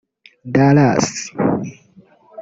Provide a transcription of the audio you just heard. Dallas